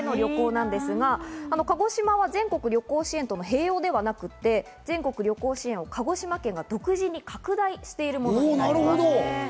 屋久島だったり奄美大島への旅行なんですが、鹿児島は全国旅行支援との併用ではなくって、全国旅行支援を鹿児島県が独自に拡大しているものなんです。